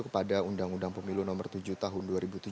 kepada undang undang pemilu nomor tujuh tahun